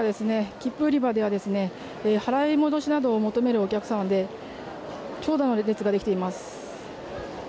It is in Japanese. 切符売り場では払い戻しなどを求めるお客様で長蛇の列ができています。